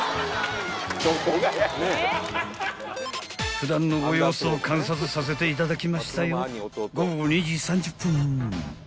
［普段のご様子を観察させていただきましたよ］